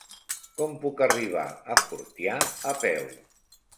Com puc arribar a Fortià a peu?